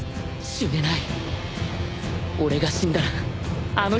死ねない